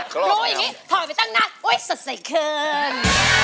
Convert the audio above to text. ครับรู้อย่างนี้ถอดไปตั้งหน้าอุ๊ยสดใสขึ้น